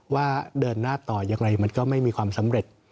ว่าเดินหน้าต่ออย่างไรมันก็ไม่มีความสำเร็จ